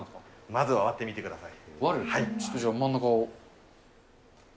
まずは割ってみてください。